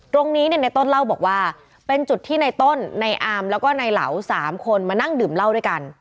ตรงนี้เนี่ยในต้นเล่าบอกว่าเป็นจุดที่ในต้นในอามแล้วก็ในเหลา๓คนมานั่งดื่มเหล้าด้วยกัน